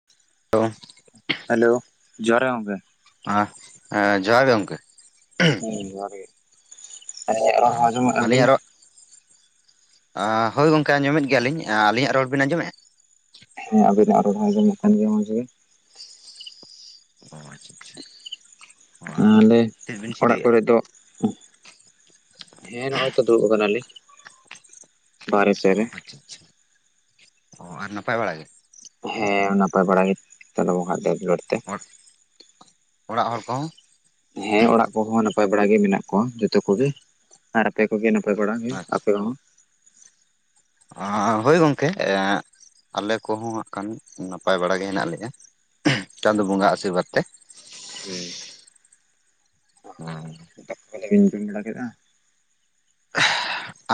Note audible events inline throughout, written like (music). (unintelligible) Hello, ᱡᱚᱦᱟᱨ ᱜᱮ ᱜᱚᱢᱠᱮ᱾ ᱟᱦ ᱦᱮᱸ ᱡᱚᱦᱟᱨ ᱜᱮ ᱜᱚᱢᱠᱮ ᱡᱚᱦᱟᱨ ᱜᱮ (unintelligible) ᱟᱸᱡᱚᱢᱟᱜ-ᱟ ᱵᱤᱱ ᱟᱹᱞᱤᱧᱟᱜ ᱨᱚᱲ ᱦᱳᱭ ᱜᱚᱝᱠᱮ ᱟᱡᱚᱢ ᱮᱫ ᱜᱮᱭᱟ ᱞᱤᱧ, ᱟᱹᱞᱤᱧᱟᱜ ᱨᱚᱲ ᱵᱤᱱ ᱟᱸᱡᱚᱢᱮᱫᱼᱟ? ᱦᱮᱸ ᱟᱵᱤᱱᱟᱜ ᱨᱚᱲ ᱦᱚᱸ ᱟᱡᱚᱢᱚᱜ ᱠᱟᱱ ᱜᱮᱭᱟ ᱢᱚᱸᱡᱽ ᱜᱮ᱾ ᱚᱻ ᱟᱪᱪᱷᱟ ᱚ ᱛᱟᱞᱦᱮ ᱪᱮᱫ ᱵᱤᱱ ᱚᱲᱟᱜ ᱪᱤᱠᱟᱹᱭᱮᱫᱼᱟ ᱠᱚᱨᱮ ᱫᱚᱼᱼ ᱦᱮᱸ ᱱᱚᱜᱼᱚᱭ ᱛᱚ ᱫᱩᱲᱩᱵ ᱠᱟᱱᱟᱞᱤᱧ ᱵᱟᱨᱦᱮ ᱥᱮᱜ ᱨᱮᱼᱼ (inaudible) ᱚ ᱟᱨ ᱱᱟᱯᱟᱭ ᱵᱟᱲᱟ ᱜᱮ? ᱦᱮᱸ ᱱᱟᱯᱟᱭ ᱵᱟᱲᱟ ᱜᱮ, ᱪᱟᱸᱫᱚ ᱵᱚᱸᱜᱟ ᱦᱟᱜ ᱫᱟᱭᱟ ᱫᱩᱞᱟᱹᱲ ᱛᱮ ᱦᱚᱲ ᱚᱲᱟᱜ ᱦᱚᱲ ᱠᱚ ᱦᱚᱸᱼᱼ ᱦᱮᱸ ᱚᱲᱟᱜ ᱠᱚ ᱦᱚᱸ ᱱᱟᱯᱟᱭ ᱵᱟᱲᱟ ᱜᱮ ᱢᱮᱱᱟᱜ ᱠᱚᱣᱟ ᱡᱚᱛᱚ ᱠᱚᱜᱮ᱾ ᱟᱨ ᱟᱯᱮ ᱠᱚᱜᱮ ᱱᱟᱯᱟᱭ ᱵᱟᱲᱟ ᱜᱮ ᱟᱯᱮ ᱟᱪᱪᱷᱟ ᱦᱚᱸ? ᱦᱳᱭ ᱜᱚᱝᱠᱮ ᱮᱸ ᱟᱞᱮ ᱠᱚᱦᱚᱸ ᱦᱟᱜ ᱠᱷᱟᱱ ᱱᱟᱯᱟᱭ ᱵᱟᱲᱟ ᱜᱮ ᱦᱮᱱᱟᱜ ᱞᱮᱭᱟ᱾ ᱪᱟᱸᱫᱚ ᱵᱚᱸᱜᱟᱣᱟᱜ ᱟᱥᱤᱨᱵᱟᱫᱽ ᱛᱮ᱾ (unintelligible)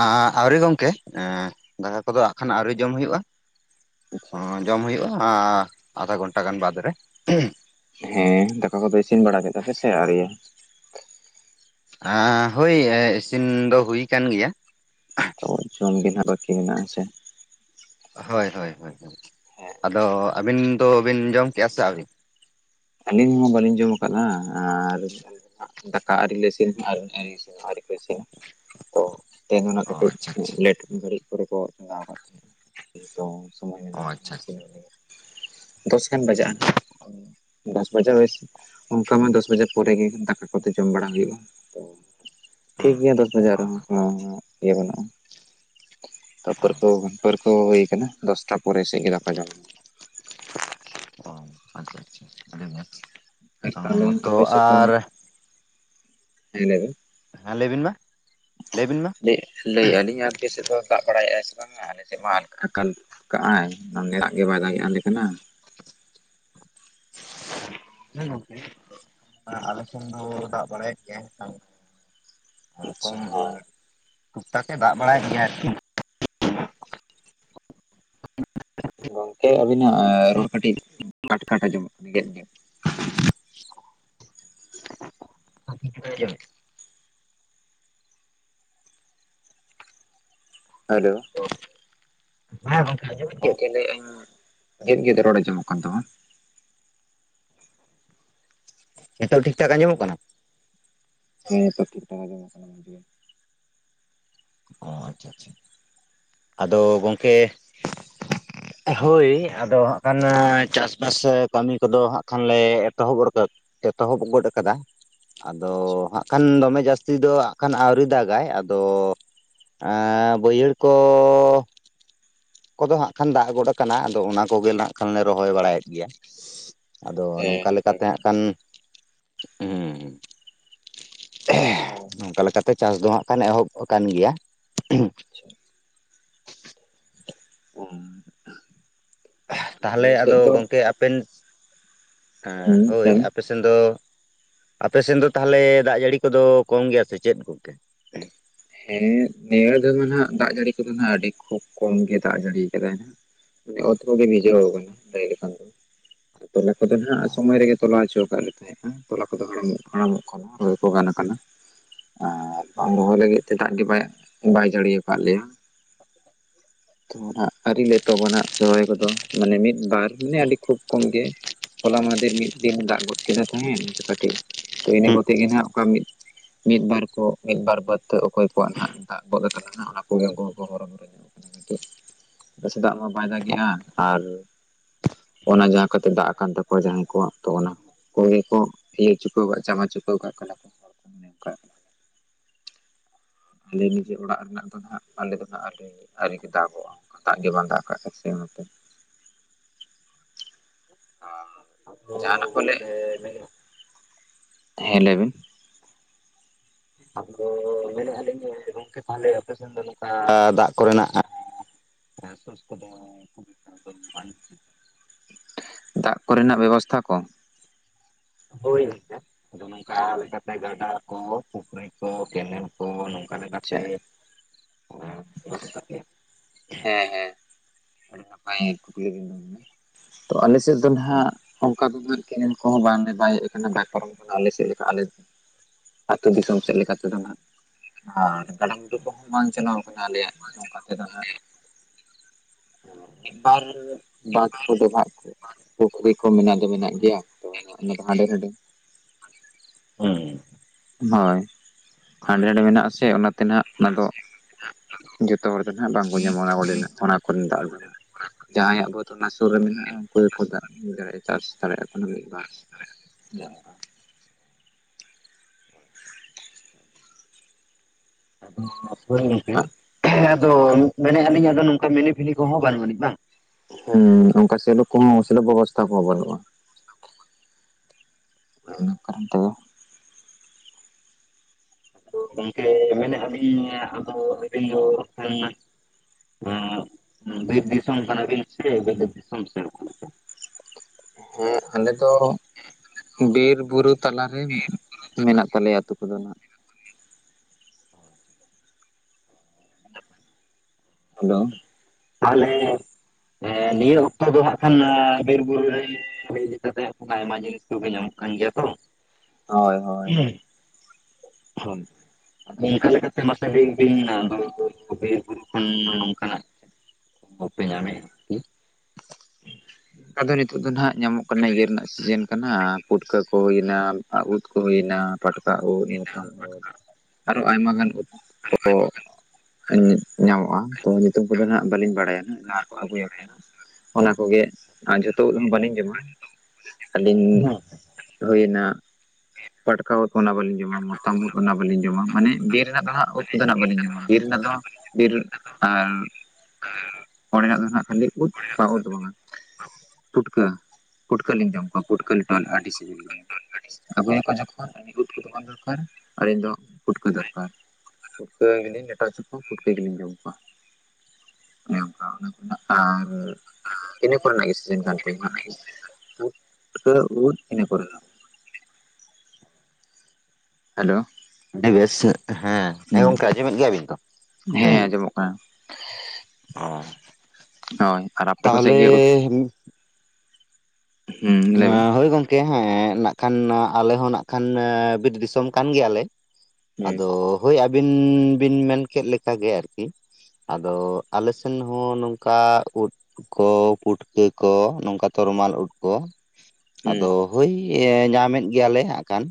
ᱟᱻ ᱟᱣᱨᱤ ᱜᱚᱝᱠᱮ ᱮᱸ ᱫᱟᱠᱟ ᱠᱚᱫᱚ ᱟᱜ ᱠᱷᱟᱱ ᱟᱹᱣᱨᱤ ᱡᱚᱢ ᱦᱩᱭᱩᱜᱼᱟ᱾ ᱡᱚᱢ ᱦᱩᱭᱩᱜᱼᱟ ᱟᱻ ᱟᱫᱷᱟ ᱜᱷᱚᱱᱴᱟ ᱜᱟᱱ ᱵᱟᱫᱽ ᱨᱮᱼᱼ ᱦᱮᱸ ᱫᱟᱠᱟ ᱠᱚᱫᱚ ᱤᱥᱤᱱ ᱵᱟᱲᱟ ᱠᱮᱫᱟ ᱯᱮ ᱥᱮ ᱟᱣᱨᱤᱭᱟ? ᱮᱸ ᱦᱳᱭ ᱤᱥᱤᱱ ᱫᱚ ᱦᱩᱭ ᱟᱠᱟᱱ ᱜᱮᱭᱟ᱾ ᱛᱚ ᱡᱚᱢ ᱜᱮ ᱦᱟᱜ ᱵᱟᱹᱠᱤ ᱢᱮᱱᱟᱜ ᱟ ᱥᱮᱼ ᱦᱳᱭ ᱦᱳᱭ ᱦᱳᱭ ᱦᱮᱸ ᱟᱫᱚ ᱟᱹᱵᱤᱱ ᱫᱚ ᱵᱤᱱ ᱡᱚᱢ ᱠᱮᱜᱼᱟ ᱥᱮ ᱟᱹᱣᱨᱤ? ᱟᱹᱞᱤᱧ ᱢᱟ ᱵᱟᱹᱞᱤᱧ ᱡᱚᱢ ᱟᱠᱟᱫᱟ ᱟᱨ ᱫᱟᱠᱟ ᱟᱨᱤ ᱞᱮ ᱤᱥᱤᱱ ᱟᱨᱮ ᱟᱨᱤ ᱤᱥᱤᱱᱟ ᱟᱹᱣᱨᱤ ᱠᱚ ᱤᱥᱤᱱᱟ ᱛᱚ ᱛᱮᱦᱮᱧ ᱫᱚ ᱱᱟᱜ ᱚ ᱠᱟᱹᱴᱤᱡ ᱟᱪᱪᱷᱟ ᱟᱪᱪᱷᱟ ᱞᱮᱴ ᱜᱷᱟᱹᱲᱤᱡ ᱠᱚᱨᱮ ᱠᱚ ᱪᱚᱫᱟᱣ ᱟᱠᱟᱫ ᱚ ᱟᱪᱪᱷᱟ ᱛᱟᱦᱮᱸᱱᱟ (unintelligible) ᱫᱚᱥ ᱵᱟᱡᱟᱜ (unintelligible) ᱚᱱᱠᱟ ᱢᱟ ᱫᱚᱥ ᱵᱟᱡᱮ ᱯᱚᱨᱮ ᱜᱮ ᱫᱟᱠᱟ ᱠᱚᱫᱚ ᱡᱚᱢ ᱵᱟᱲᱟ ᱦᱩᱭᱩᱜᱼᱟ ᱛᱚ ᱦᱩᱸ ᱴᱷᱤᱠᱜᱮᱭᱟ ᱫᱚᱥ ᱚ ᱵᱟᱡᱟᱨᱦᱚᱸ ᱦᱚᱸ ᱟᱪᱪᱷᱟ ᱟᱪᱪᱷᱟ ᱦᱚᱸ ᱤᱭᱟᱹ ᱵᱟᱹᱱᱩᱜᱼᱟ ᱾ ᱛᱟ ᱯᱟᱹᱨᱠᱟᱹᱣ ᱯᱟᱹᱨᱠᱟᱹ ᱦᱩᱭ ᱟᱠᱟᱱᱟ ᱫᱚᱥᱴᱟ ᱯᱚᱨᱮ ᱥᱮᱫ ᱜᱮ ᱫᱟᱠᱟ ᱡᱚᱢ ᱾ ᱚ ᱟᱪᱪᱷᱟ ᱟᱪᱪᱷᱟ ᱟᱹᱰᱤ ᱢᱚᱡ ᱟᱨ ᱾ ᱚ ᱛᱟᱦᱚᱞᱮ ᱦᱚᱭᱛᱚ ᱟᱯᱮ ᱥᱮᱫ ᱫᱚ ᱟᱨ ᱦᱮᱸ ᱞᱟᱹᱭ ᱵᱮᱱ ᱾ ᱦᱮᱸ ᱞᱟᱹᱭᱵᱤᱱ ᱢᱟ ᱞᱟᱹᱭᱵᱤᱱ ᱢᱟ ᱾ ᱞᱟᱹᱭ ᱞᱟᱹᱭ ᱟᱞᱤᱧᱟ ᱟᱯᱮ ᱥᱮᱫ ᱫᱚ ᱫᱟᱜ ᱵᱟᱲᱟᱭᱮᱫᱟᱭ ᱥᱮ ᱵᱟᱝ? ᱦᱸ ᱟᱞᱮᱥᱮᱫ ᱢᱟ ᱟᱞ ᱟᱠᱟᱞ ᱠᱟᱜᱟᱭ ᱱᱚᱰᱮ ᱫᱟᱜ ᱜᱮ ᱵᱟᱭ ᱫᱟᱜᱮᱜ ᱟᱞᱮ ᱠᱟᱱᱟ ᱦᱮᱸ ᱜᱚᱝᱠᱮ ᱟᱞᱮ ᱥᱮᱱ ᱫᱚ ᱫᱟᱜ ᱵᱟᱲᱟᱭᱮᱫ ᱜᱮᱭᱟᱭ ᱟᱪᱪᱷᱟ ᱠᱚᱢ ᱴᱩᱠᱴᱟᱠᱮ ᱫᱟᱜ ᱵᱟᱲᱟᱭᱮᱫ ᱜᱮᱭᱟ ᱟᱨᱠᱤ ᱜᱚᱝᱠᱮ ᱟᱹᱵᱤᱱᱟᱜ ᱨᱚᱲ ᱠᱟᱹᱴᱤᱡ ᱠᱟᱴ ᱠᱟᱴ ᱟᱸᱡᱚᱢᱚᱜ ᱠᱟᱱᱟ ᱜᱮᱫ ᱜᱚᱫ ᱾ (inaudible) (unintelligible) ᱦᱮᱞᱳ ᱾ ᱦᱮᱸ ᱜᱚᱝᱠᱮ ᱟᱸᱡᱚᱢᱮᱜ ᱜᱚᱝᱠᱮ ᱞᱟᱹᱭ ᱟᱹᱧ ᱜᱮᱫ ᱜᱮᱫ ᱨᱚᱲ ᱟᱸᱡᱚᱢᱚᱜ ᱠᱟᱱ ᱛᱟᱢᱟ ᱾ ᱱᱤᱛᱚᱜ ᱴᱷᱤᱠ ᱴᱷᱟᱠ ᱟᱧᱡᱚᱢᱚᱜ ᱠᱟᱱᱟ? ᱦᱮᱸ ᱱᱮᱛᱚᱜ ᱴᱷᱤᱠ ᱴᱷᱟᱠ ᱟᱸᱡᱚᱡᱚᱜ ᱠᱟᱱᱟ ᱢᱚᱡ ᱜᱮ ᱾ ᱚ ᱟᱪᱪᱷᱟ ᱟᱪᱪᱷᱟ ᱟᱫᱚ ᱜᱚᱝᱠᱮ (inaudible) ᱦᱳᱭ ᱟᱫᱚ ᱦᱟᱸᱜ ᱠᱷᱟᱱ ᱪᱟᱥᱵᱟᱥ ᱠᱟᱹᱢᱤ ᱠᱚᱫᱚ ᱦᱟᱸᱜ ᱠᱷᱟᱱᱞᱮ ᱮᱛᱚᱦᱚᱵ ᱜᱚᱫ ᱮᱛᱚᱦᱚᱵ ᱜᱚᱫ ᱟᱠᱟᱫᱟ ᱟᱫᱚ ᱟᱪᱪᱷᱟ ᱦᱟᱸᱜ ᱠᱷᱟᱱ ᱫᱚᱢᱮ ᱡᱟᱹᱥᱛᱤ ᱫᱚ ᱦᱟᱸᱜ ᱠᱷᱟᱱ ᱟᱹᱣᱨᱤ ᱫᱟᱜᱟᱭ ᱟᱫᱚ ᱟᱸ ᱵᱟᱹᱭᱦᱟᱹᱲ ᱠᱚ ᱠᱚᱫᱚ ᱦᱟᱸᱜ ᱠᱷᱟᱱ ᱫᱟᱜ ᱜᱚᱫ ᱠᱟᱱᱟ ᱟᱫᱚ ᱚᱱᱟ ᱠᱚᱜᱮ ᱱᱟᱜ ᱠᱷᱟᱱᱞᱮ ᱨᱚᱦᱚᱭ ᱵᱟᱲᱟᱭᱮᱫ ᱜᱮᱭᱟ, ᱟᱫᱚ ᱦᱮᱸ ᱱᱚᱝᱠᱟ ᱱᱟᱯᱟᱭ ᱞᱮᱠᱟᱛᱮ ᱦᱟᱸᱜ ᱠᱟᱛᱷᱟ ᱠᱷᱟᱱ ᱦᱩᱸ ᱦᱢ ᱾ ᱚᱱᱠᱟ ᱞᱮᱠᱟᱛᱮ ᱪᱟᱥ ᱫᱚ ᱦᱟᱜ ᱠᱷᱟᱱ ᱮᱛᱚᱦᱚᱵ ᱟᱠᱟᱱ ᱜᱮᱭᱟ ᱾ ᱟᱪᱪᱷᱟ ᱾ (unintelligible) ᱛᱟᱦᱞᱮ ᱟᱞᱮ ᱥᱮᱫ ᱟᱫᱚ ᱫᱚ ᱜᱚᱝᱠᱮ ᱟᱯᱮᱱ ᱮᱸ ᱦᱳᱭ ᱦᱮᱸ ᱟᱯᱮ ᱥ ᱥᱮᱱ ᱫᱚ ᱟᱯᱮ ᱥᱮᱱ ᱫᱚ ᱛᱟᱦᱞᱮ ᱫᱟᱜ ᱡᱟᱹᱲᱤ ᱠᱚᱫᱚ ᱠᱚᱢ ᱜᱮᱭᱟ ᱥᱮ ᱪᱮᱫ ᱜᱚᱝᱠᱮ? ᱦᱮᱸ ᱱᱤᱭᱟᱹ ᱫᱚᱢᱟ ᱱᱟᱜ ᱫᱟᱜ ᱡᱟᱹᱲᱤ ᱠᱚᱫᱚ ᱱᱟᱜ ᱟᱹᱰᱤ ᱠᱷᱩᱵ ᱠᱚᱢ ᱜᱮ ᱫᱟᱜ ᱡᱟᱹᱲᱤ ᱟᱠᱟᱫᱟᱭ ᱱᱟᱜ ᱢᱟᱱᱮ ᱚᱛ ᱠᱚᱜᱮ ᱵᱷᱤᱡᱟᱹᱣ ᱟᱠᱟᱱᱟ ᱞᱟᱹᱭ ᱞᱮᱠᱷᱟᱱ ᱫᱚ ᱾ ᱛᱚᱞᱟ ᱠᱚᱫᱚ ᱱᱟᱜ ᱥᱚᱢᱚᱭ ᱦᱩᱸ ᱨᱮᱜᱮ ᱛᱚᱞᱟ ᱚᱪᱚ ᱟᱠᱟᱫ ᱟᱞᱮ ᱛᱟᱦᱮᱸᱜᱼᱟ ᱾ ᱛᱚᱞᱟ ᱠᱚᱫᱚ ᱦᱟᱲᱟᱢᱚᱜ ᱦᱟᱲᱟᱢᱚᱜ ᱠᱟᱱᱟ ᱨᱚᱦᱚᱭ ᱠᱚ ᱜᱟᱱ ᱟᱠᱟᱱᱟ ᱟᱨ ᱵᱟᱝ ᱨᱚᱦᱚᱭ ᱞᱟᱹᱜᱤᱫ ᱛᱮ ᱫᱟᱜ ᱜᱮ ᱵᱟᱭ ᱵᱟᱭ ᱡᱟᱹᱲᱤ ᱟᱠᱟᱫ ᱞᱮᱭᱟ ᱾ ᱛᱚ ᱱᱟᱜ ᱟᱹᱨᱤ ᱞᱮ ᱮᱛᱚᱦᱚᱵᱟ ᱱᱟᱜ ᱱᱟᱜ ᱨᱚᱦᱚᱭ ᱠᱚᱫᱚ ᱢᱟᱱᱮ ᱢᱤᱫᱵᱟᱨ ᱢᱟᱱᱮ ᱟᱹᱰᱤ ᱠᱷᱩᱵᱽ ᱠᱚᱢ ᱜᱮ ᱦᱚᱞᱟ ᱢᱟᱦᱫᱷᱮᱨ ᱢᱤᱫ ᱫᱤᱱᱮ ᱫᱟᱜ ᱜᱚᱫ ᱠᱮᱫᱟᱭ ᱛᱟᱦᱮᱱ ᱚᱱᱟ ᱛᱮ ᱠᱟᱹᱴᱤᱡ ᱛᱚ ᱤᱱᱟᱹ ᱠᱟᱛᱮ ᱜᱮ ᱱᱟᱜ ᱚᱠᱟ ᱢᱤᱫ ᱢᱤᱫ ᱵᱟᱨ ᱠᱚ ᱢᱤᱫ ᱵᱟᱨ ᱵᱟᱫᱽᱛᱮ ᱚᱠᱚᱭ ᱠᱚᱣᱟᱜ ᱱᱟᱜ ᱫᱟᱜ ᱜᱚᱫ ᱟᱠᱟᱱᱟ ᱱᱟᱜ ᱚᱱᱟ ᱠᱚᱜᱮ ᱩᱱᱠᱩ ᱦᱚᱸᱠᱚ ᱦᱚᱨᱚᱵᱚᱨᱚ ᱧᱚᱜ ᱟᱠᱟᱱᱟ (unintelligible) ᱫᱟᱜ ᱢᱟ ᱵᱟᱭ ᱫᱟᱜᱮᱜᱼᱟ ᱟᱨ ᱚᱱᱟ ᱡᱟᱦᱟᱸ ᱠᱷᱟᱹᱛᱤᱨ ᱫᱟᱜ ᱟᱠᱟᱱ ᱛᱟᱠᱚᱣᱟ ᱡᱟᱦᱟᱸᱭ ᱠᱚᱣᱟᱜ ᱛᱚ ᱚᱱᱟ ᱠᱚᱜᱮ ᱠᱚ ᱤᱭᱟᱹ ᱪᱩᱠᱟᱹᱣ ᱠᱟᱜ ᱡᱟᱵᱟ ᱪᱩᱠᱟᱹᱣ ᱠᱟᱜ ᱠᱟᱱᱟ ᱠᱚ ᱦᱚᱲ ᱠᱚ ᱚᱱᱮ ᱚᱱᱠᱟ ᱟᱞᱮ ᱱᱤᱡᱮ ᱚᱲᱟᱜ ᱨᱮᱱᱟᱜ ᱫᱚ ᱱᱟᱜ ᱟᱞᱮ ᱫᱚ ᱱᱟᱜ ᱟᱞᱮ ᱟᱨᱤᱜᱮ ᱫᱟᱜᱚᱜᱼᱟ ᱫᱟᱜ ᱜᱮ ᱵᱟᱝ ᱫᱟᱜ ᱠᱟᱜᱼᱟ ᱛᱮ ᱱᱚᱛᱮ (unintelligible) ᱡᱟᱦᱟᱱᱟᱜ ᱠᱚ ᱞᱟᱹᱭᱮᱜ, ᱜᱚᱝᱠᱮ ᱢᱮᱱᱮᱫ ᱦᱮᱸ ᱞᱟᱹᱭ ᱵᱤᱱ (unintelligible) ᱢᱮᱱᱮᱜᱼᱟ ᱞᱤᱧ ᱡᱮ ᱜᱚᱝᱠᱮ ᱛᱟᱦᱚᱞᱮ ᱟᱯᱮ ᱥᱮᱱ ᱫᱚ ᱱᱚᱝᱠᱟ ᱫᱟᱜ ᱠᱚᱨᱮᱱᱟᱜ (unintelligible) ᱠᱷᱩᱵ ᱮᱠᱴᱟ ᱫᱚ ᱵᱟᱝ ᱫᱟᱜ ᱠᱚᱨᱮᱱᱟᱜ ᱵᱮᱵᱚᱥᱛᱷᱟ ᱠᱚ, ᱦᱳᱭ ᱟᱫᱚ ᱱᱚᱝᱠᱟ ᱞᱮᱠᱟᱛᱮ ᱜᱟᱰᱟ ᱠᱚ ᱯᱩᱠᱷᱨᱤ ᱠᱚ ᱠᱮᱱᱮᱞ ᱠᱚ ᱱᱚᱝ, ᱚᱱᱠᱟ ᱟᱪᱪᱷᱟ ᱞᱮᱠᱟᱛᱮ (unintelligible) ᱦᱮᱸ ᱦᱮᱸ ᱟᱹᱰᱤ ᱱᱟᱯᱟᱭ ᱠᱩᱠᱞᱤ ᱞᱟᱹᱭ ᱠᱮᱫᱟ ᱟᱞᱮ ᱥᱮᱫ ᱫᱚ ᱱᱟᱦᱟᱜ ᱚᱱᱠᱟ ᱫᱚ ᱠᱮᱱᱮᱞ ᱠᱚᱦᱚᱸ ᱵᱟᱝᱜᱮ ᱵᱟᱭ ᱦᱮᱡ ᱟᱠᱟᱱᱟ ᱫᱟᱜ ᱯᱟᱨᱚᱢ ᱠᱟᱱᱟ ᱟᱞᱮ ᱪᱮᱫ ᱞᱮᱠᱟ ᱟᱞᱮ, ᱟᱛᱳ ᱫᱤᱥᱚᱢ ᱥᱮᱫ ᱞᱮᱠᱟ ᱛᱮᱫᱚ ᱦᱟᱸᱜ᱾ ᱟᱨ ᱜᱟᱰᱟᱢᱩᱰᱩ ᱵᱟᱝ ᱪᱟᱞᱟᱣ ᱠᱟᱱᱟ ᱟᱞᱮᱭᱟᱜ ᱱᱚᱝᱠᱟ ᱛᱮᱫᱚ ᱦᱟᱸᱜ᱾ ᱟᱨ ᱢᱤᱫ ᱵᱟᱨ ᱵᱟᱸᱫᱽ ᱠᱚ ᱰᱟᱵᱷᱟᱜ ᱠᱚ ᱯᱩᱠᱷᱨᱤ ᱠᱚ ᱢᱮᱱᱟᱜ ᱫᱚ ᱢᱮᱱᱟᱜ ᱜᱮᱭᱟ ᱛᱚ ᱚᱱᱟ ᱫᱚ ᱦᱟᱸᱰᱮ ᱱᱟᱸᱰᱮ᱾ ᱦᱩᱸ᱾ ᱦᱳᱭ᱾ ᱦᱟᱸᱰᱮ ᱱᱟᱰᱮ ᱢᱮᱱᱟᱜ ᱟᱥᱮ ᱚᱱᱟᱛᱮ ᱱᱟᱜ ᱚᱱᱟ ᱫᱚ ᱡᱚᱛᱚ ᱦᱚᱲ ᱫᱚ ᱱᱟᱜ ᱵᱟᱝ, ᱚᱸᱰᱮᱱᱟᱜ ᱚᱱᱟ ᱠᱚᱨᱮ ᱫᱟᱜ ᱫᱚ ᱱᱟᱜ ᱡᱟᱦᱟᱸᱭᱟᱜ ᱵᱟᱹᱫᱽ ᱚᱱᱟ ᱥᱩᱨ ᱨᱮ ᱢᱮᱱᱟᱜᱼᱟ ᱩᱱᱠᱩ ᱜᱮᱠᱚ ᱫᱟᱜ ᱫᱟᱲᱮᱭᱟᱜᱼᱟ ᱪᱟᱥ ᱫᱟᱲᱮᱭᱟᱜ ᱠᱟᱱᱟ ᱢᱤᱫᱵᱟᱨ᱾ ᱧᱟᱢᱚᱜᱼᱟ᱾ ᱦᱳᱭ ᱜᱚᱝᱠᱮ ᱟᱫᱚ ᱢᱮᱱᱮᱫᱼᱟ ᱞᱤᱧ ᱟᱫᱚ ᱱᱚᱝᱠᱟ ᱢᱤᱱᱤ ᱯᱷᱤᱞᱤ ᱠᱚᱦᱚᱸ ᱵᱟᱹᱱᱩᱜ ᱟᱹᱱᱤᱡᱧ ᱵᱟᱝ, ᱦᱮᱸ ᱚᱱᱠᱟ ᱥᱮᱞᱳ ᱠᱚᱦᱚᱸ ᱥᱮᱞᱳ ᱵᱮᱵᱚᱥᱛᱛᱟ ᱠᱚ ᱵᱟᱹᱱᱩᱜᱼᱟ᱾ ᱚᱱᱟ ᱠᱟᱨᱚᱱ ᱫᱚ, ᱜᱚᱝᱠᱮ ᱢᱮᱱᱮᱫᱼᱟ ᱞᱤᱧ ᱟᱫᱚ ᱟᱵᱤᱱ ᱫᱚ ᱚᱲᱟᱜ ᱠᱷᱚᱱ, ᱮᱸᱜ ᱵᱤᱨ ᱫᱤᱥᱚᱢ ᱠᱟᱱᱟ ᱵᱤᱱ ᱥᱮ ᱵᱤᱞᱟᱹᱛ ᱫᱤᱥᱚᱢ ᱥᱮᱫ ᱠᱷᱚᱱ? ᱦᱮᱸ ᱟᱞᱮ ᱫᱚ᱾ ᱵᱤᱨ ᱵᱩᱨᱩ ᱛᱟᱞᱟᱨᱮ ᱢᱮᱱᱟᱜ ᱛᱟᱞᱮᱭᱟ ᱟᱛᱳ ᱠᱚᱫᱚ ᱱᱟᱜ, (unintelligible) ᱦᱮᱞᱳ, ᱛᱟᱦᱚᱞᱮ ᱱᱤᱭᱟᱹ ᱚᱠᱛᱚ ᱫᱚ ᱦᱟᱸᱜ ᱠᱷᱟᱱ ᱵᱤᱨ ᱵᱩᱨᱩ ᱨᱮ᱾ ᱤᱫᱤ ᱠᱟᱛᱮ ᱟᱭᱢᱟ ᱡᱤᱱᱤᱥ ᱠᱚᱜᱮ ᱧᱟᱢᱚᱜ ᱠᱟᱱ ᱜᱮᱭᱟ ᱛᱚ, ᱦᱳᱭ ᱦᱳᱭ᱾ (unintelligible) ᱟᱫᱚ ᱚᱱᱠᱟ ᱞᱮᱠᱟᱛᱮ ᱢᱟᱥᱮ ᱞᱟᱹᱭ ᱵᱤᱱ ᱵᱤᱨ ᱵᱩᱨᱩ ᱠᱷᱚᱱ ᱱᱚᱝᱠᱟᱱᱟᱜ ᱱᱚᱜᱼᱚᱭ ᱯᱮ ᱧᱟᱢᱮᱜᱼᱟ᱾ ᱟᱫᱚ ᱱᱤᱛᱚᱜ ᱫᱚ ᱱᱟᱦᱟᱜ ᱧᱟᱢᱚᱜ ᱠᱟᱱᱟ ᱤᱭᱟᱹ ᱨᱮᱱᱟᱜ ᱥᱤᱡᱤᱱ ᱠᱟᱱᱟ ᱯᱷᱩᱴᱠᱟᱹ ᱠᱚ ᱦᱩᱭᱮᱱᱟ ᱩᱫ, ᱠᱩ ᱦᱩᱭᱱᱟ᱾ ᱯᱟᱴᱠᱟ ᱩᱫ ᱢᱚᱛᱟᱢ ᱩᱫ ᱟᱨᱚ ᱟᱭᱢᱟ ᱜᱟᱱ ᱩᱫ ᱠᱚ, ᱧᱟᱢᱚᱜᱼᱟ ᱛᱚ ᱧᱩᱛᱩᱢ ᱠᱚᱫᱚ ᱱᱟᱜ ᱵᱟᱹᱞᱤᱧ ᱵᱟᱲᱟᱭᱟ ᱡᱟᱦᱟᱸ ᱠᱚ ᱟᱹᱜᱩᱭ ᱟᱠᱚ ᱦᱟᱸᱜ ᱚᱱᱟ ᱠᱚᱜᱮ, ᱟᱨ ᱡᱷᱚᱛᱚ ᱩᱫ ᱦᱚᱸ ᱵᱟᱹᱞᱤᱧ ᱡᱚᱢᱟ ᱟᱹᱞᱤᱧ ᱦᱩᱭᱱᱟ᱾ ᱯᱟᱴᱠᱟ ᱩᱫ ᱚᱱᱟ ᱵᱟᱹᱞᱤᱧ ᱡᱚᱢᱟ ᱢᱚᱛᱟᱢ ᱩᱫ ᱚᱱᱟ ᱵᱟᱹᱞᱤᱧ ᱡᱚᱢᱟ ᱢᱟᱱᱮ ᱵᱤᱨ ᱨᱮᱱᱟᱜ ᱫᱚ ᱦᱟᱸᱜ ᱩᱫ ᱠᱚᱫᱚ ᱱᱟᱜ ᱵᱟᱹᱞᱤᱧ ᱡᱚᱢᱟ ᱵᱤᱨ ᱨᱮᱱᱟᱜ ᱫᱚ ᱵᱤᱨ ᱟᱨ, ᱚᱸᱰᱮᱱᱟᱜ ᱫᱚ ᱱᱟᱜ ᱠᱷᱟᱹᱞᱤ ᱳᱫ, ᱳᱫ ᱫᱚ ᱵᱟᱝᱼᱟ ᱯᱩᱴᱠᱟᱹ᱾ ᱯᱩᱴᱠᱟᱹ ᱞᱤᱧ ᱡᱚᱢ ᱠᱚᱣᱟ, ᱯᱩᱴᱠᱟᱹ ᱞᱮᱴᱚ, ᱟᱹᱰᱤ, ᱥᱤᱵᱤᱞᱟ᱾ (unintelligible) ᱟᱹᱞᱤᱧ ᱫᱚ, ᱫᱚ ᱯᱩᱴᱠᱟᱹ ᱫᱚᱨᱠᱟᱨ᱾ (unintelligible) ᱯᱩᱴᱠᱟᱹ ᱜᱮᱞᱤᱧ ᱡᱚᱢ ᱠᱚᱣᱟ ᱚᱱᱮ ᱚᱱᱠᱟ, ᱚᱱᱟ ᱠᱚᱱᱟᱜ ᱟᱨ, ᱤᱱᱟᱹ ᱠᱚᱨᱮᱱᱟᱜ ᱜᱮ, ᱥᱤᱡᱮᱱ ᱠᱟᱱ ᱛᱟᱵᱮᱱᱟ᱾ ᱩᱫ, ᱩᱫ, ᱤᱱᱟ ᱠᱚᱨᱮᱱᱟᱜ ᱜᱮ᱾ ᱦᱮᱞᱳ ᱟᱹᱰᱤ ᱵᱮᱥ, ᱦᱮᱸ, ᱦᱮᱸ, ᱦᱩᱸ ᱜᱚᱢᱠᱮ ᱟᱸᱡᱚᱢᱮᱫ ᱜᱮᱭᱟᱵᱤᱱ ᱛᱚ (inaudible) ᱦᱮᱸ, ᱚ (inaudible) ᱳᱭ, ᱟᱨ ᱟᱯᱮ ᱠᱚᱥᱮᱫ ᱛᱟᱦᱚᱞᱮ ᱜᱮ ᱩᱫᱼᱼ ᱵᱮᱱ (unintelligible) ᱦᱳᱭ ᱜᱚᱝᱠᱮ ᱦᱮᱸ, ᱱᱟᱜ ᱠᱷᱟᱱ ᱟᱞᱮ ᱦᱚᱸ ᱱᱟᱜ ᱠᱷᱟᱱ ᱵᱤᱨ ᱫᱤᱥᱚᱢ ᱠᱟᱱ ᱜᱮᱭᱟᱞᱮ᱾ ᱦᱩᱸ ᱟᱫᱚ, ᱦᱳᱭ ᱟᱹᱵᱤᱱ, ᱵᱤᱱ, ᱢᱮᱱᱠᱮᱫ ᱞᱮᱠᱟ ᱜᱮ, ᱟᱨᱠᱤ᱾ ᱟᱫᱚ, ᱟᱞᱮᱥᱮᱱ ᱦᱚᱸ ᱱᱚᱝᱠᱟ, ᱩᱫᱼᱼ (unintelligible) ᱠᱚ, ᱯᱩᱴᱠᱟᱹ ᱠᱚ, ᱱᱚᱝᱠᱟ ᱛᱚᱨᱚᱢᱟᱞ ᱩᱰ ᱠᱚᱼᱼ ᱦᱩᱸ ᱟᱫᱚ, ᱦᱳᱭ, ᱧᱟᱢ ᱮᱫ ᱜᱮᱭᱟᱞᱮ ᱦᱟᱸᱜ ᱠᱷᱟᱱ,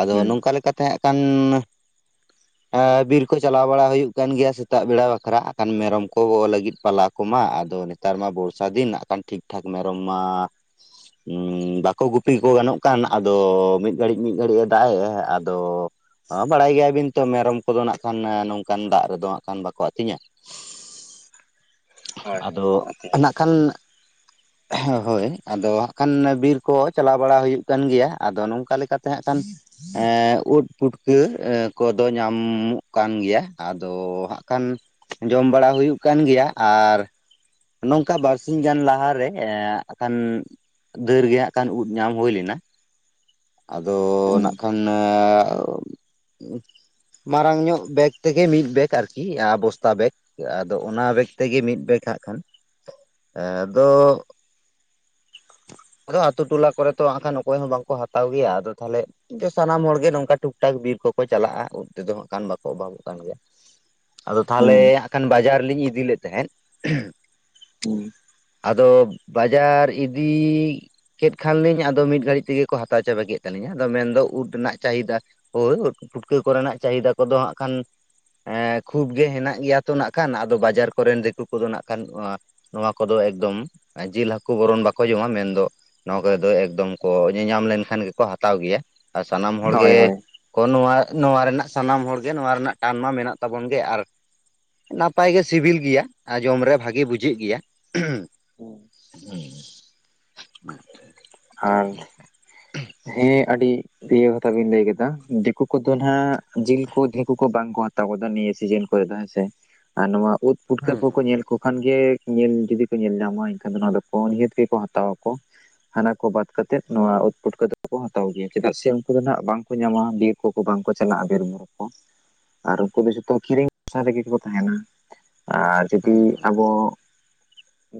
ᱟᱫᱚ ᱦᱩᱸ ᱱᱚᱝᱠᱟ ᱞᱮᱠᱟᱛᱮ ᱦᱟᱸᱜ ᱠᱷᱟᱱᱼᱼ (inaudible) ᱦᱮᱸ, ᱵᱤᱨ ᱠᱚ ᱪᱟᱞᱟᱣ ᱵᱟᱲᱟ ᱦᱩᱭᱩᱜ ᱠᱟᱱ ᱜᱮᱭᱟ, ᱥᱮᱛᱟᱜ ᱵᱮᱲᱟ ᱵᱟᱠᱷᱨᱟ, ᱦᱟᱸᱜᱠᱷᱟᱱ ᱢᱮᱨᱚᱢ ᱠᱚ ᱜᱚ ᱞᱟᱹᱜᱤᱫ ᱯᱟᱞᱟᱼᱼ ᱠᱚ ᱢᱟ, ᱟᱫᱚ ᱱᱮᱛᱟᱨ ᱢᱟ ᱵᱚᱨᱥᱟ ᱫᱤᱱ, ᱱᱟᱜ ᱠᱷᱟᱱ ᱴᱷᱤᱠ ᱴᱷᱟᱠ, ᱢᱮᱨᱚᱢ ᱢᱟᱼᱼ ᱩᱸ, ᱵᱟᱠᱚ ᱜᱩᱯᱤ ᱠᱚ ᱜᱟᱱᱚᱜ ᱠᱟᱱ, ᱟᱫᱚ, ᱢᱤᱫ ᱜᱷᱟᱹᱲᱤᱡ, ᱢᱤᱫ ᱜᱷᱟᱹᱲᱤᱡ, -ᱮ ᱫᱟᱜ ᱮ, ᱟᱫᱚᱼᱼ ᱦᱚᱸ, ᱵᱟᱲᱟᱭ ᱜᱮᱭᱟ ᱵᱤᱱ ᱛᱚ ᱢᱮᱨᱚᱢ ᱠᱚᱫᱚ ᱱᱟᱜ ᱠᱷᱟᱱ, ᱱᱚᱝᱠᱟᱱ ᱫᱟᱜ ᱨᱮᱫᱚ ᱦᱟᱸᱜ ᱠᱷᱟᱱ ᱵᱟᱠᱚ ᱟᱹᱛᱤᱧᱟ᱾ ᱦᱳᱭ ᱦᱳᱭ ᱟᱫᱚ, ᱵᱟᱠᱚ ᱟᱹᱛᱤᱧᱟ ᱱᱟᱜ ᱠᱷᱟᱱᱼᱼ ᱦᱮ ᱦᱳᱭ, ᱟᱫᱚ, ᱦᱟᱸᱜᱠᱷᱟᱱ ᱵᱤᱨ ᱠᱚ ᱪᱟᱞᱟᱣ ᱵᱟᱲᱟ ᱦᱩᱭᱩᱜ ᱠᱟᱱ ᱜᱮᱭᱟ, ᱟᱫᱚ ᱱᱚᱝᱠᱟ ᱞᱮᱠᱟᱛᱮ ᱦᱟᱸᱜᱠᱷᱟᱱᱼᱼ (inaudible) ᱮᱸ, ᱩᱫ ᱯᱩᱴᱠᱟᱹ, ᱠᱚᱫᱚ, ᱧᱟᱻᱢᱚᱜ ᱠᱟᱱ ᱜᱮᱭᱟ, ᱟᱫᱚ ᱦᱟᱸᱜ ᱠᱷᱟᱱ ᱡᱚᱢ ᱵᱟᱲᱟ ᱦᱩᱭᱩᱜ ᱠᱟᱱ ᱜᱮᱭᱟ, ᱟᱨᱼᱼ ᱱᱚᱝᱠᱟ ᱵᱟᱨᱥᱤᱧ ᱜᱟᱱ ᱞᱟᱦᱟᱨᱮ, ᱮᱸ ᱦᱟᱸᱜᱠᱷᱟᱱᱼᱼ ᱫᱷᱟᱹᱨ ᱜᱮ ᱦᱟᱸᱜ ᱠᱷᱟᱱ, ᱩᱫ ᱧᱟᱢ ᱦᱩᱭ ᱞᱮᱱᱟ, ᱟᱫᱚᱹ ᱦᱩᱸ ᱱᱟᱜ ᱠᱷᱟᱱ, ᱟᱹᱼᱼ (inaudible) ᱢᱟᱨᱟᱝ ᱧᱚᱜ ᱵᱮᱜᱽ ᱛᱮᱜᱮ, ᱢᱤᱫ ᱵᱮᱜᱽ ᱟᱨᱠᱤ, ᱟ ᱵᱚᱥᱛᱟ ᱵᱮᱜᱽ᱾ ᱟᱫᱚ, ᱚᱱᱟ ᱵᱮᱜᱽ ᱛᱮᱜᱮ ᱢᱤᱫ ᱵᱮᱜᱽ ᱦᱟᱸᱜ ᱠᱷᱟᱱ, ᱟᱫᱚᱼᱼ ᱟᱫᱚᱹ ᱟᱛᱩ ᱴᱚᱞᱟ ᱠᱚ ᱛᱚ ᱦᱟᱸᱜ, ᱦᱟᱸᱜᱠᱷᱟᱱ ᱚᱠᱚᱭ ᱦᱚᱸ ᱵᱟᱝᱠᱚ ᱦᱟᱛᱟᱣ ᱜᱮᱭᱟ, ᱟᱫᱚ ᱛᱟᱦᱞᱮ? ᱫᱮ, ᱥᱟᱱᱟᱢ ᱦᱚᱲ ᱜᱮ, ᱱᱚᱝᱠᱟ ᱴᱩᱠ ᱴᱟᱠ ᱵᱤᱨ ᱠᱚᱠᱚ ᱪᱟᱞᱟᱜᱼᱟ, ᱩᱫ ᱛᱮᱫᱚ ᱦᱟᱸᱜᱠᱷᱟᱱ, ᱵᱟᱠᱚ ᱚᱵᱷᱟᱵᱚᱜ ᱠᱟᱱ ᱜᱮᱭᱟ᱾ ᱟᱫᱚ ᱛᱟᱦᱚᱞᱮ, ᱦᱩᱸ ᱦᱟᱸᱜᱠᱷᱟᱱ ᱵᱟᱡᱟᱨ ᱞᱤᱧ ᱤᱫᱤ ᱞᱮᱫ, ᱛᱟᱦᱮᱸᱫ᱾ ᱦᱩᱸ ᱟᱫᱚ, ᱵᱟᱡᱟᱨ ᱤᱫᱤᱼᱼ ᱠᱮᱫᱠᱷᱟᱱ ᱞᱤᱧ, ᱟᱫᱚ ᱢᱤᱫ ᱜᱷᱟᱹᱲᱤᱡ ᱛᱮᱜᱮ ᱠᱚ ᱦᱟᱛᱟᱣ ᱪᱟᱵᱟ ᱠᱮᱫ ᱛᱟᱹᱞᱤᱧᱼᱟ, ᱟᱫᱚ ᱢᱮᱱᱫᱚ, ᱩᱫ ᱨᱮᱱᱟᱜ ᱪᱟᱦᱤᱫᱟᱼᱼ ᱦᱳ, (inaudible) ᱯᱩᱴᱠᱟᱹ ᱠᱚᱨᱮᱱᱟᱜ ᱪᱟᱦᱤᱫᱟ ᱠᱚᱫᱚ ᱦᱟᱸᱜ ᱠᱷᱟᱱᱼᱼ ᱮᱸ, ᱠᱷᱩᱵ ᱜᱮ ᱦᱮᱱᱟᱜ ᱜᱮᱭᱟ ᱛᱚ ᱱᱟᱜ ᱠᱷᱟᱱ, ᱟᱫᱚ ᱵᱟᱡᱟᱨ ᱠᱚᱨᱮᱱ, ᱫᱤᱠᱩ ᱠᱚᱫᱚ, ᱱᱟᱜᱠᱷᱟᱱ, ᱮᱸ, ᱱᱚᱣᱟ ᱠᱚᱫᱚ ᱮᱠᱫᱚᱢ, ᱡᱤᱞ ᱦᱟᱹᱠᱩ ᱵᱚᱨᱚᱱ, ᱵᱟᱠᱚᱼᱼ ᱠᱚ ᱡᱚᱢᱟ, ᱢᱮᱱ ᱫᱚ, ᱱᱚᱣᱟ (unintelligible) ᱮᱠᱫᱚᱢ ᱠᱚ ᱧᱮᱧᱟᱢ ᱞᱮᱱᱠᱷᱟᱱ ᱜᱮᱠᱚ ᱦᱟᱛᱟᱣ ᱜᱮᱭᱟ᱾ ᱟᱨ, ᱥᱟᱱᱟᱢ ᱦᱚᱲ ᱜᱮᱼᱼ ᱦᱳᱭ ᱦᱳᱭ ᱠᱚ, ᱱᱚᱣᱟᱼᱱᱚᱣᱟ ᱨᱮᱱᱟᱜ ᱥᱟᱱᱟᱢ ᱦᱚᱲ ᱜᱮ, ᱱᱚᱣᱟ ᱨᱮᱱᱟᱜ ᱴᱟᱱ ᱢᱟ ᱢᱮᱱᱟᱜ ᱛᱟᱵᱚᱱ ᱜᱮ, ᱟᱨᱼᱼ ᱱᱟᱯᱟᱭ ᱜᱮ ᱥᱤᱵᱤᱞ ᱜᱮᱭᱟ, ᱟᱨ ᱡᱚᱢ ᱨᱮ ᱵᱷᱟᱜᱮ ᱵᱩᱡᱷᱟᱹᱜ ᱜᱮᱭᱟᱼᱼ (inaudible) ᱟᱨ ᱦᱮᱸ, ᱟᱹᱰᱤᱼᱼ ᱤᱭᱟᱹ ᱠᱟᱛᱷᱟ ᱵᱮᱤᱱ ᱞᱟᱹᱭ ᱠᱟᱫᱟ, ᱫᱤᱠᱩ ᱠᱚᱫᱚ ᱱᱷᱟᱜ, ᱡᱤᱞ ᱠᱚ ᱫᱷᱤᱠᱩ ᱠᱚ ᱵᱟᱝᱠᱚ ᱦᱟᱛᱟᱣ ᱠᱟᱫᱟ ᱱᱤᱭᱟᱹ ᱥᱤᱡᱤᱱᱼᱼ ᱠᱚ ᱫᱚ ᱦᱮᱸᱥᱮ ᱟᱨ ᱱᱚᱣᱟ ᱩᱫᱽ ᱯᱩᱴᱠᱟᱹ ᱦᱩᱸ ᱠᱚ ᱠᱚ ᱧᱮᱞ ᱠᱚ ᱠᱷᱟᱱ ᱜᱮ ᱧᱮᱞ ᱡᱩᱫᱤ ᱠᱚ ᱧᱮᱞ ᱧᱟᱢᱟ ᱮᱱᱠᱷᱟᱱ ᱫᱚ ᱱᱚᱶᱟ ᱫᱚ ᱱᱤᱦᱟᱹᱛ ᱜᱮᱠᱚ ᱦᱟᱛᱟᱣᱟ ᱠᱚ, ᱦᱟᱱᱟ ᱠᱚ ᱵᱟᱫ ᱠᱟᱛᱮᱫ ᱱᱚᱣᱟ ᱯᱩᱟᱴᱠᱟᱹ ᱫᱚ ᱠᱚ ᱦᱟᱛᱟᱣ ᱜᱮᱭᱟ ᱪᱮᱫᱟᱜ ᱥᱮ ᱩᱱᱠᱩ ᱫᱚ ᱱᱦᱟᱜ ᱵᱟᱝᱠᱚ ᱧᱟᱢᱟ ᱠᱚ ᱵᱟᱝ ᱠᱚ ᱪᱟᱞᱟᱜ-ᱟ ᱵᱤᱨ ᱵᱩᱨᱩ ᱠᱚ ᱟᱨ ᱩᱱᱠᱩ ᱫᱚ ᱡᱷᱚᱛᱚ ᱠᱤᱨᱤᱧ ᱟᱥᱟ ᱨᱮᱜᱮ ᱠᱚ ᱛᱟᱦᱮᱱᱟ ᱟᱨ ᱡᱩᱫᱤ ᱦᱩᱸ ᱟᱵᱚ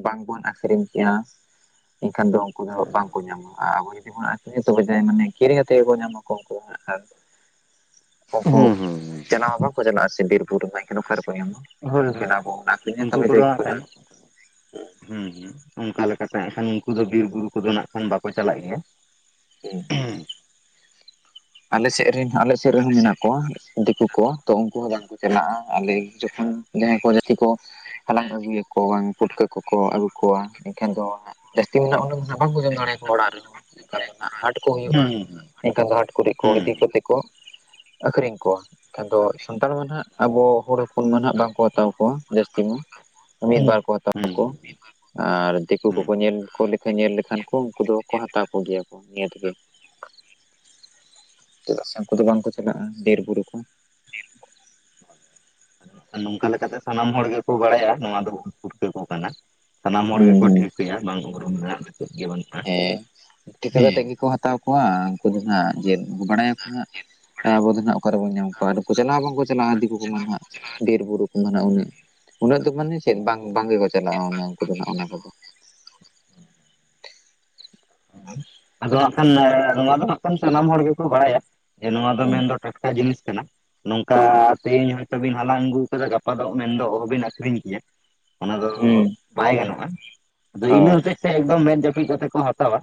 ᱵᱟᱝᱵᱚᱱ ᱟᱠᱷᱨᱤᱧ ᱠᱮᱭᱟ ᱮᱱᱠᱷᱟᱱ ᱫᱚ ᱠᱩ ᱫᱚᱦᱟᱜ ᱵᱟᱝᱠᱚ ᱧᱟᱢᱟ ᱟᱨ ᱟᱵᱚ ᱡᱩᱫᱤ ᱵᱚᱱ ᱟᱹᱷᱨᱤᱧᱟ ᱛᱚᱵᱮ ᱡᱟᱭ ᱢᱟᱱᱮ ᱠᱤᱨᱤ ᱠᱟᱛᱮᱫ ᱜᱮᱠᱚ ᱧᱟᱢᱟᱠᱚ ᱩᱱᱠᱩ ᱫᱚ ᱦᱟᱸᱜ ᱟᱨ ᱩᱱᱠᱩ ᱦᱩᱸ ᱦᱩᱸ ᱪᱟᱞᱟᱣ ᱦᱚᱸ ᱵᱟᱠᱚ ᱪᱟᱞᱟᱜ-ᱟ ᱥᱮ ᱵᱤᱨ ᱵᱩᱨᱩ ᱨᱮᱢᱟ ᱮᱠᱷᱟᱱ ᱚᱠᱟ ᱨᱮᱠᱚ ᱧᱟᱢᱟ? ᱦᱳᱭ ᱦᱳᱭ ᱢᱮᱱᱠᱷᱟᱱ ᱟᱵᱚ ᱟᱠᱷᱨᱤᱧᱟ ᱩᱱᱠᱩ ᱛᱚᱵᱮ ᱛᱚᱵᱮ ᱠᱚᱫᱚ ᱡᱟᱱᱤ ᱜᱮ ᱦᱟᱸᱜ ᱠᱚ ᱠᱷᱟᱱ ᱧᱟᱢᱟ᱾ ᱦᱩᱸ ᱦᱩᱸ ᱚᱱᱠᱟ ᱞᱮᱠᱟᱛᱮ ᱱᱟᱜᱠᱷᱟᱱ ᱩᱱᱠᱩ ᱫᱚ ᱵᱤᱨ ᱵᱩᱨᱩ ᱠᱚᱫᱚ ᱱᱟᱜ ᱠᱷᱟᱱ ᱵᱟᱠᱚ ᱪᱟᱞᱟᱜ ᱜᱮᱭᱟ᱾ (inaudible) ᱦᱩᱸ ᱟᱞᱮᱥᱮᱜ ᱨᱮᱱ ᱟᱞᱮ ᱥᱮᱜ ᱨᱮᱦᱚᱸ ᱢᱮᱱᱟᱜ ᱠᱚᱣᱟ ᱫᱤᱠᱩ ᱠᱚ ᱛᱚ ᱩᱱᱠᱩ ᱦᱚᱸ ᱵᱟᱝ ᱠᱚ ᱪᱟᱞᱟᱜ-ᱟ ᱟᱞᱮ ᱡᱚᱠᱷᱚᱱ ᱡᱟᱦᱟᱸᱭ ᱠᱚ ᱡᱟᱹᱛᱤ ᱠᱚ ᱦᱟᱞᱟᱝ ᱟᱹᱜᱩᱭᱟ ᱠᱚ ᱵᱟᱝ ᱯᱩᱴᱠᱟᱹ ᱠᱚᱠᱚ ᱟᱹᱜᱩ ᱠᱚᱣᱟ ᱮᱱᱠᱷᱟᱱ ᱫᱚ ᱦᱟᱸᱜ ᱡᱟᱹᱥᱛᱤ ᱫᱚᱱᱦᱟᱜ ᱚᱰᱮ ᱫᱚᱱᱦᱟᱜ ᱵᱟᱝᱠᱚ ᱡᱚᱢ ᱫᱟᱲᱮᱭᱟᱠᱚᱣᱟ ᱚᱲᱟᱜ ᱨᱮᱦᱚᱸ ᱮᱱᱠᱷᱟᱱ ᱫᱚ ᱦᱟᱴ ᱠᱚ ᱦᱩᱭᱩᱜ-ᱟ ᱦᱩᱸ ᱮᱱᱠᱷᱟᱱ ᱫᱚ ᱦᱟᱴ ᱠᱚᱨᱮᱜ ᱠᱚ ᱦᱩᱸ ᱤᱫᱤ ᱠᱟᱛᱮᱜ ᱠᱚ ᱟᱹᱠᱷᱨᱤᱧ ᱠᱚᱣᱟ ᱟᱫᱚ ᱥᱟᱱᱛᱟᱲ ᱢᱟ ᱱᱦᱟᱜ ᱟᱵᱚ ᱦᱚᱲ ᱦᱚᱯᱚᱱ ᱢᱟᱱᱦᱟᱜ ᱵᱟᱝᱠᱚ ᱦᱟᱛᱟᱣ ᱠᱚᱣᱟ ᱡᱟᱹᱥᱛᱤ ᱢᱟ ᱢᱤᱫᱵᱟᱨ ᱠᱚ ᱦᱟᱛᱟᱣ ᱦᱩᱸ ᱠᱚᱣᱟ᱾ ᱟᱨ ᱫᱤᱠᱩ ᱠᱚᱠᱚ ᱦᱩᱸ ᱧᱮᱞ ᱠᱚ ᱧᱮᱞ ᱞᱮᱠᱷᱟᱱ ᱠᱚ ᱩᱱᱠᱩ ᱫᱚᱠᱚ ᱦᱟᱛᱟᱣ ᱠᱚᱜᱮᱭᱟ ᱠᱚ ᱱᱤᱭᱟᱹ ᱛᱮᱜᱮ᱾ ᱪᱮᱫᱟᱜ ᱥᱮ ᱩᱱᱠᱩ ᱫᱚ ᱵᱟᱝᱠᱚ ᱪᱟᱞᱟᱜ-ᱟ ᱰᱤᱨ ᱵᱩᱨᱩ ᱠᱚ᱾ ᱱᱚᱝᱠᱟ ᱞᱮᱠᱟᱛᱮ ᱥᱟᱱᱟᱢ ᱦᱚᱲ ᱜᱮᱠᱚ ᱵᱟᱲᱟᱭᱟ ᱱᱚᱣᱟ ᱫᱚ ᱯᱩᱴᱠᱟᱹᱠᱚ ᱠᱟᱱᱟ᱾ ᱥᱟᱱᱟᱢ ᱦᱚᱲ ᱦᱩᱸ ᱜᱮ ᱠᱚ ᱦᱩᱸ ᱴᱷᱤᱠᱟᱹ ᱭᱟ ᱵᱟᱝ ᱩᱨᱩᱢ ᱨᱮᱱᱟᱜ ᱫᱚ ᱪᱮᱫ ᱜᱮ ᱵᱟᱹᱱᱩᱜ ᱦᱮᱸ ᱴᱤᱠᱟᱹ ᱠᱟᱛᱮᱜ ᱜᱮᱠᱚ ᱦᱟᱛᱟᱣ ᱠᱚᱣᱟ ᱩᱱᱠᱩ ᱫᱚ ᱦᱟᱜ ᱡᱮ ᱵᱟᱲᱟᱭᱟᱠᱚ ᱦᱟᱸᱜ ᱟᱵᱚ ᱫᱚ ᱱᱦᱟᱜ ᱚᱠᱟ ᱨᱮᱵᱚᱱ ᱧᱟᱢ ᱠᱚᱣᱟ ᱟᱨ ᱩᱱᱠᱩ ᱪᱟᱞᱟᱜ-ᱟ ᱵᱟᱝᱠᱚ ᱪᱟᱞᱟᱜ-ᱟ ᱫᱤᱠᱩ ᱠᱚᱢᱟ ᱟᱜ ᱵᱤᱨᱵᱩᱨᱩ ᱢᱟᱱᱮ ᱩᱱᱟᱹᱜ ᱩᱱᱟᱹᱜ ᱫᱚ ᱢᱟᱱᱮ ᱪᱮᱫ ᱵᱟᱝ ᱵᱟᱝᱜᱮᱠᱚ ᱪᱟᱞᱟᱜ-ᱟ ᱩᱱᱠᱩ ᱫᱚ ᱚᱱᱟ ᱠᱚᱫᱚ᱾ ᱟᱱᱱᱟ ᱱᱚᱣᱟ ᱫᱚ ᱦᱟᱜ ᱠᱷᱟᱱ ᱥᱟᱱᱟᱢ ᱦᱚᱲ ᱜᱮᱠᱚ ᱵᱟᱲᱟᱭᱟ ᱱᱚᱣᱟ ᱫᱚ ᱦᱩᱸ ᱢᱮᱱᱫᱚ ᱴᱟᱴᱠᱟ ᱡᱤᱱᱤᱥ ᱠᱟᱱᱟ, ᱦᱩᱸ ᱱᱚᱝᱠᱟ ᱛᱮᱦᱮᱧ ᱦᱚᱭᱛᱳ ᱵᱤᱱ ᱦᱟᱞᱟᱝ ᱟᱹᱜᱩᱣ ᱠᱟᱫᱟ ᱜᱟᱯᱟ ᱫᱚ ᱢᱮᱱᱫᱚ ᱚᱦᱚᱵᱤᱱ ᱟᱠᱷᱨᱤᱧ ᱠᱮᱭᱟ᱾ ᱚᱱᱟ ᱫᱚ ᱦᱩᱸ ᱵᱟᱭ ᱜᱟᱱᱚᱜ-ᱟ ᱟᱫᱚ ᱤᱱᱟᱹ ᱦᱳᱭ ᱦᱚᱛᱮᱡ ᱛᱮ ᱮᱠᱫᱚᱢ ᱢᱮᱫ ᱡᱟᱹᱯᱤᱫ ᱠᱟᱛᱮ ᱠᱚ ᱦᱟᱛᱟᱣᱟ,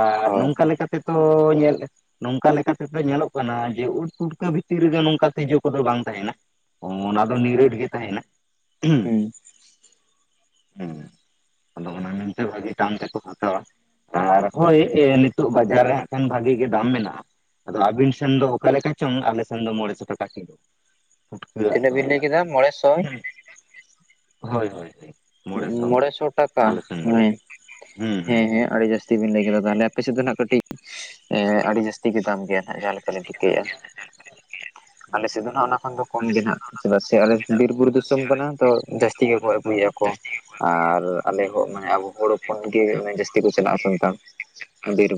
ᱟᱨ ᱦᱳᱭ ᱱᱚᱝᱠᱟ ᱞᱮᱠᱟᱛᱮᱛᱚ ᱧᱮᱞ ᱱᱚᱝᱠᱟ ᱞᱮᱠᱟᱛᱮᱫᱚ ᱧᱮᱞᱚᱜ ᱠᱟᱱᱟ ᱡᱮ ᱩᱫ ᱯᱩᱴᱠᱟᱹ ᱵᱷᱤᱛᱤᱨ ᱨᱮᱜᱮ ᱱᱚᱝᱠᱟ ᱛᱤᱡᱩ ᱠᱚᱫᱚ ᱵᱟᱝ ᱛᱟᱦᱮᱱᱟ᱾ ᱚ ᱚᱱᱟ ᱫᱚ ᱱᱤᱨᱟᱹᱴ ᱜᱮ ᱛᱟᱦᱮᱱᱟ᱾ ᱦᱩᱸ ᱦᱩᱸ ᱟᱫᱚ ᱚᱱᱟ ᱢᱮᱱᱛᱮ ᱵᱷᱟᱜᱤ ᱴᱟᱢ ᱛᱮᱠᱚ ᱦᱟᱛᱟᱣᱟ᱾ ᱟᱨ ᱦᱳᱭ ᱱᱤᱛᱳᱜ ᱵᱟᱡᱟᱨ ᱨᱮ ᱦᱟᱜ ᱠᱷᱟᱱ ᱵᱷᱟᱜᱤ ᱜᱮ ᱫᱟᱢ ᱢᱮᱱᱟᱜ-ᱟ᱾ ᱟᱫᱚ ᱟᱵᱤᱱ ᱥᱮᱱ ᱫᱚ ᱚᱠᱟ ᱞᱮᱠᱟ ᱪᱚᱝ ᱟᱞᱮ ᱥᱮᱱ ᱫᱚ ᱢᱚᱬᱮ ᱥᱚ ᱴᱟᱠᱟ ᱠᱤᱞᱳ᱾ ᱟᱜ ᱛᱤᱱᱟᱹᱜ ᱫᱚᱨ ᱵᱤᱱ ᱞᱟᱹᱭ ᱠᱮᱫᱟ ᱢᱚᱲᱮ ᱥᱚ? ᱦᱳᱭ ᱦᱳᱭ ᱢᱚᱲᱮ ᱥᱚ ᱴᱟᱠᱟ ᱟᱞᱮ ᱥᱮᱱ ᱢᱟ ᱦᱩᱸ ᱦᱩᱸ ᱦᱩᱸ ᱦᱮᱸ ᱦᱮᱸ ᱟᱹᱰᱤ ᱡᱟᱹᱟᱥᱛᱤ ᱵᱤᱱ ᱞᱟᱹᱭ ᱠᱮᱫᱟ ᱛᱟᱦᱚᱞᱮ ᱟᱯᱮ ᱥᱮᱫ ᱫᱚ ᱱᱦᱟᱜ ᱠᱟᱹᱴᱤᱡ ᱮᱸ ᱟᱹᱰᱤ ᱡᱟᱹᱥ ᱛᱤ ᱜᱮ ᱫᱟᱢ ᱜᱮᱭᱟ ᱱᱦᱟᱜ ᱡᱟᱦᱟᱸ ᱞᱮᱠᱟᱞᱤᱧ ᱴᱷᱤᱠᱟᱹ ᱭᱮᱜᱟ ᱟᱞᱮᱥᱮᱫ ᱫᱚ ᱟᱜ ᱚᱱᱟ ᱠᱷᱚᱱ ᱫᱚ ᱠᱚᱢ ᱜᱮ ᱱᱦᱟᱜ᱾ ᱪᱮᱫᱟᱜ ᱥᱮ ᱟᱞᱮ ᱵᱤᱨ ᱵᱩᱨᱩ ᱫᱤᱥᱚᱢ ᱠᱟᱱᱟ ᱛᱚ ᱡᱟᱹᱥᱛᱤ ᱜᱮᱠᱚ ᱟᱹᱜᱩᱭᱟ ᱠᱚ, ᱟᱨ ᱟᱞᱮ ᱦᱚᱸ ᱢᱟᱱᱮ ᱟᱵᱚ ᱦᱚᱲ ᱦᱚᱯᱚᱱ ᱜᱮ ᱡᱟᱹᱥᱛᱤ ᱠᱚ ᱪᱟᱞᱟᱜ-ᱟ ᱥᱟᱱᱛᱟᱲ ᱵᱤᱨᱵᱩ